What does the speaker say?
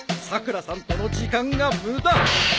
さくらさんとの時間が無駄。